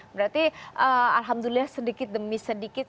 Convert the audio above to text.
berarti alhamdulillah sedikit demi sedikit